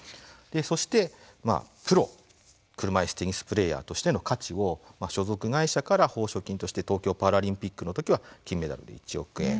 そしてプロ車いすテニスプレイヤーとしての価値を所属会社から報奨金として東京パラリンピックのときは金メダルで１億円。